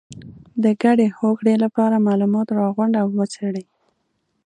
د ګډې هوکړې لپاره معلومات راغونډ او وڅېړئ.